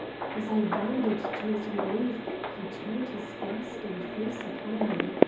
As I bounded to his relief he turned his ghastly face upon me.